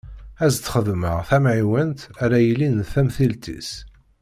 Ad s-d-xedmeɣ tamɛiwent ara yilin d tamtilt-is.